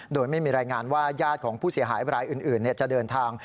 โดยไม่มีรายงานว่าญาติของผู้เสียหายบรายอื่นจะเดินทาง